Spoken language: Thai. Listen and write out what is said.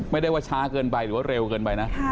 ไม่ได้ว่าช้าเกินไปหรือว่าเร็วเกินไปนะ